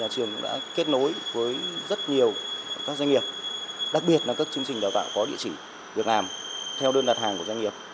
trường cũng đã kết nối với rất nhiều các doanh nghiệp đặc biệt là các chương trình đào tạo có địa chỉ việc làm theo đơn đặt hàng của doanh nghiệp